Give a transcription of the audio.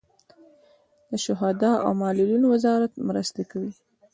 د شهدا او معلولینو وزارت مرستې کوي